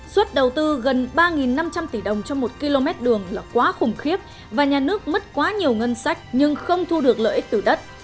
suất đầu tư gần ba năm trăm linh tỷ đồng cho một km đường là quá khủng khiếp và nhà nước mất quá nhiều ngân sách nhưng không thu được lợi ích từ đất